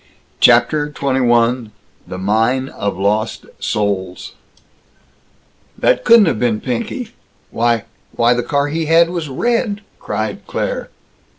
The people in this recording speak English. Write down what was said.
CHAPTER XXI THE MINE OF LOST SOULS "That couldn't have been Pinky! Why! Why, the car he had was red," cried Claire.